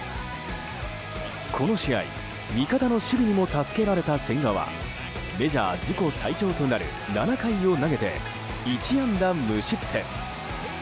この試合、味方の守備にも助けられた千賀はメジャー自己最長となる７回を投げて１安打無失点。